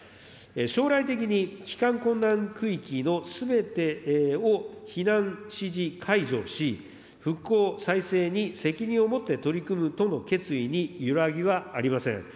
将来的に帰還困難区域のすべてを避難指示解除し、復興再生に責任を持って取り組むとの決意に揺らぎはありません。